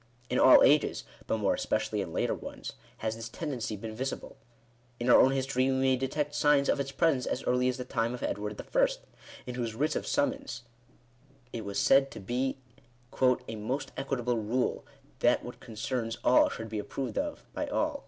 In all ages, but more especially in later ones, has this tendency been visible. In our own history we may detect signs of its presence as early as the time of Edward I., in whose writs of summons it was said to be " a most equitable rule, that what concerns all should be approved of by all."